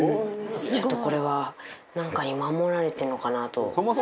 ちょっとこれは何かに守られてるのかなと。